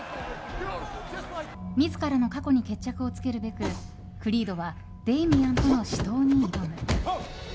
自らの過去に決着をつけるべくクリードはデイミアンとの死闘に挑む。